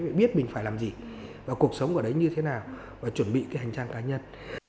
và biết mình phải làm gì và cuộc sống của đấy như thế nào và chuẩn bị hành trang cá nhân